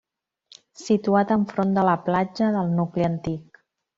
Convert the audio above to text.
Situat enfront de la Platja del nucli antic.